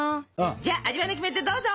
じゃあ味わいのキメテどうぞ！